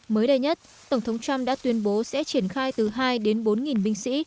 mới đây nhất tổng thống trump đã tuyên bố sẽ triển khai từ hai đến bốn binh sĩ